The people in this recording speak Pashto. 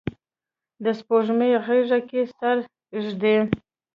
د سپوږمۍ غیږه کې سر ږدي